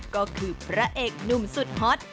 ก็คือพระเอกหนุ่มสุดฮอต